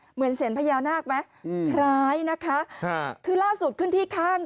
เหมือนเศรษฐ์พระเยาวนาคมั้ยอืมคล้ายนะคะค่ะคือล่าสุดขึ้นที่ข้าง